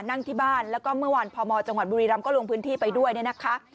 นั่งที่บ้านแล้วก็เมื่อวานพมจังหวัดบุรีรำก็ลงพื้นที่ไปด้วยเนี่ยนะคะ